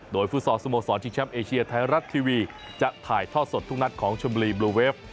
โดยฟุตซอลสโมสรชิงแชมป์เอเชียไทยรัฐทีวีจะถ่ายทอดสดทุกนัดของชมบุรีบลูเวฟ